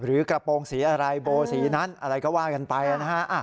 กระโปรงสีอะไรโบสีนั้นอะไรก็ว่ากันไปนะฮะ